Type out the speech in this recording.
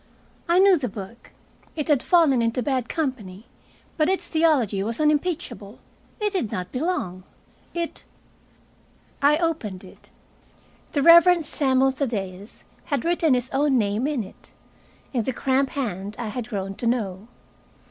I knew the book. It had fallen into bad company, but its theology was unimpeachable. It did not belong. It I opened it. The Reverend Samuel Thaddeus had written his own name in it, in the cramped hand I had grown to know.